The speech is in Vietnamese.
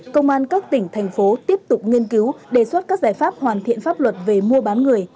công an các tỉnh thành phố tiếp tục nghiên cứu đề xuất các giải pháp hoàn thiện pháp luật về mua bán người